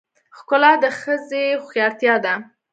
ښکلا د ښځې هوښیارتیا ده .